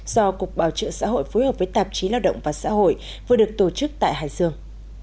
do cục bảo trợ xã hội phối hợp với tạp chí lao động và xã hội vừa được tổ chức tại hải dương